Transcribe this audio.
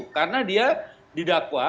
karena dia didakwa